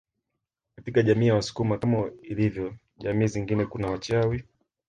Katika jamii ya wasukuma kama ilivyo jamii zingine kuna wachawi